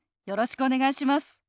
よろしくお願いします。